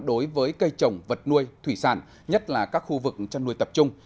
đối với cây trồng vật nuôi thủy sản nhất là các khu vực chăn nuôi tập trung